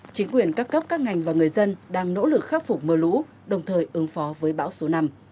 chính quyền các cấp các ngành và người dân đang nỗ lực khắc phục mưa lũ đồng thời ứng phó với bão số năm